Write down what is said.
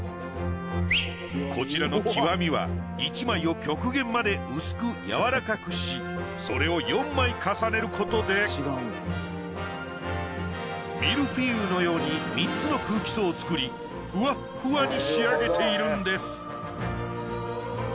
こちらの極は１枚を極限まで薄く柔らかくしそれを４枚重ねることでミルフィーユのように３つの空気層を作りフワッフワに仕上げているんです。